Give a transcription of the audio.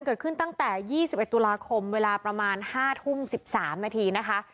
เกิดขึ้นตั้งแต่๒๑ตุลาคมเวลาประมาณ๕ทุ่ม๑๓นาทีนะคะ